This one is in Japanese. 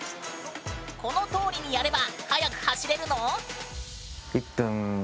このとおりにやれば速く走れるの？